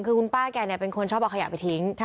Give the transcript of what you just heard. คือคุณป้าแกเป็นคนชอบเอาขยะไปทิ้ง